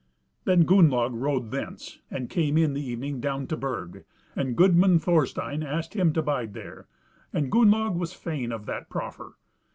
Then Gunnlaug rode thence and came in the evening down to Burg, and goodman Thorstein asked him to bide there, and Gunnlaug was fain of that proffer.